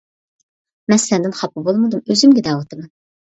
-مەن سەندىن خاپا بولمىدىم، ئۆزۈمگە دەۋاتىمەن.